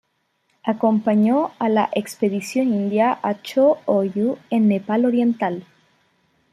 Acompañó a la "Expedición India" a Cho-Oyu en Nepal oriental.